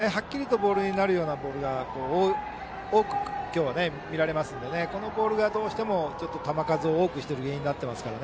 少し抜けたようなボールがはっきりボールになるようなボールが今日は多く見られますのでこのボールが、どうしても球数を多くしている原因になっています。